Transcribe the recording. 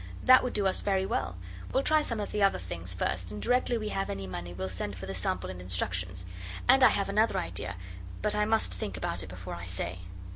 That would do us very well. We'll try some of the other things first, and directly we have any money we'll send for the sample and instructions. And I have another idea, but I must think about it before I say.